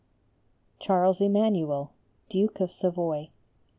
CHARLES EMMANUEL, _Duke of Savoy.